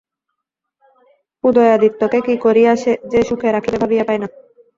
উদয়াদিত্যকে কী করিয়া যে সুখে রাখিবে ভাবিয়া পায় না।